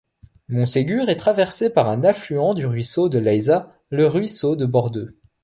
Monségur est traversée par un affluent du ruisseau de Layza, le ruisseau de Bordeu.